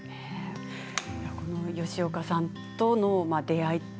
この吉岡さんとの出会い